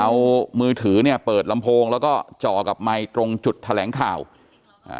เอามือถือเนี่ยเปิดลำโพงแล้วก็จ่อกับไมค์ตรงจุดแถลงข่าวอ่า